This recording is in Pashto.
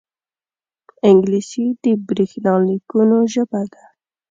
انګلیسي د برېښنا لیکونو ژبه ده